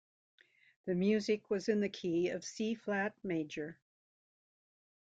The music was in the key of C flat major.